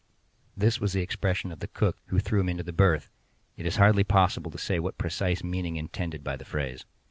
This was the expression of the cook, who threw him into the berth—it is hardly possible to say what precise meaning intended by the phrase.